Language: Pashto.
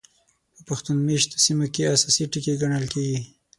په پښتون مېشتو سیمو کې اساسي ټکي ګڼل کېږي.